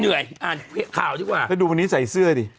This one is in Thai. เหนื่อยอ่านข่าวดีกว่าถ้าดูวันนี้ใส่เสื้อดิ